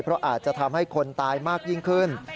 เพราะอาจจะทำให้คนตายมากยิ่งขึ้น